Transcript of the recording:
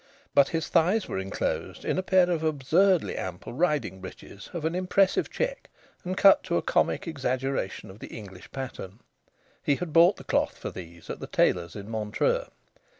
But his thighs were enclosed in a pair of absurdly ample riding breeches of an impressive check and cut to a comic exaggeration of the English pattern. He had bought the cloth for these at the tailor's in Montreux.